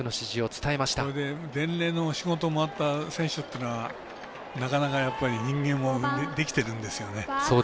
伝令の仕事をもらった選手っていうのは、なかなか人間もできてるんですよね。